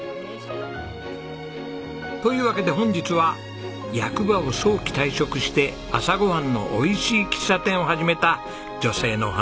というわけで本日は役場を早期退職して朝ごはんのおいしい喫茶店を始めた女性のお話です。